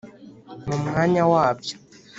mu mwanya wabyo,